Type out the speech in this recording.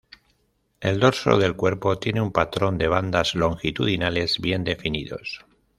El dorso del cuerpo tiene un patrón de bandas longitudinales bien definidos.